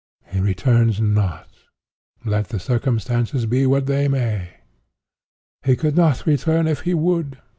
He returns not, let the consequences be what they may. He could not return if he would.